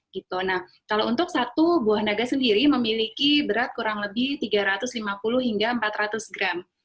gitu nah kalau untuk satu buah naga sendiri memiliki berat kurang lebih tiga ratus lima puluh hingga empat ratus gram